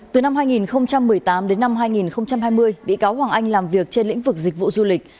từ năm hai nghìn một mươi tám đến năm hai nghìn hai mươi bị cáo hoàng anh làm việc trên lĩnh vực dịch vụ du lịch